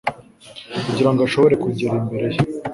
kugira ngo ashobore kugera imbere ye.